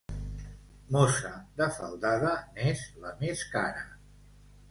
Mossa de faldada n'és la més cara.